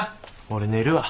俺寝るわ。